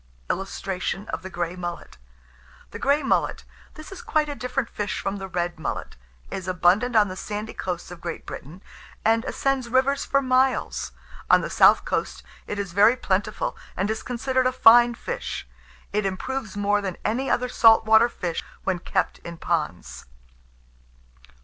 [Illustration: THE GREY MULLET.] THE GREY MULLET. This is quite a different fish from the red mullet, is abundant on the sandy coasts of Great Britain, and ascends rivers for miles. On the south coast it is very plentiful, and is considered a fine fish. It improves more than any other salt water fish when kept in ponds.